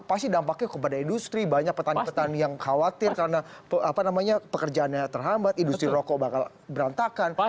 pasti dampaknya kepada industri banyak petani petani yang khawatir karena pekerjaannya terhambat industri rokok bakal berantakan